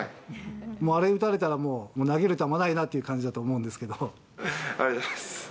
もうあれ打たれたら、もう、投げる球ないなという感じだと思うんですけど。